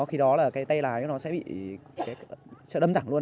khi đó là tay lái nó sẽ bị đâm rẳng luôn